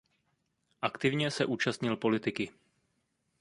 Aktivně se účastnil politiky.